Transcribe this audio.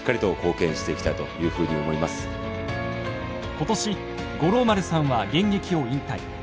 今年五郎丸さんは現役を引退。